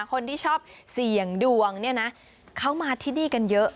คนที่ชอบเสี่ยงดวงเนี่ยนะเขามาที่นี่กันเยอะ